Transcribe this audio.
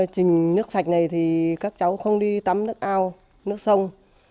trình nước sạch này thì các cháu không đi tắm nước ao nước sông